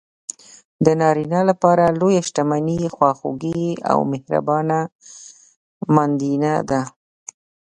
د نارینه لپاره لویه شتمني خواخوږې او مهربانه ماندینه ده.